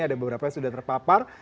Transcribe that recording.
ada beberapa yang sudah terpapar